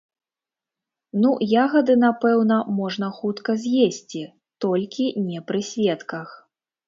Ну, ягады, напэўна, можна хутка з'есці, толькі не пры сведках.